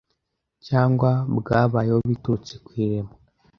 cyangwa bwabayeho biturutse ku iremwa